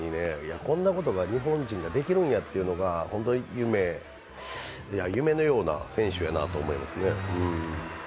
こんなことが日本人できるんだというのが夢のような選手やなと思いますね。